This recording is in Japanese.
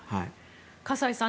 河西さん